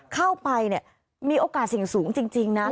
เข้าไปเนี่ยมีโอกาสเสี่ยงสูงจริงนะ